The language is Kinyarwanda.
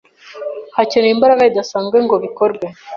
hakenewe imbaraga zidasanzwe ngo bikorwe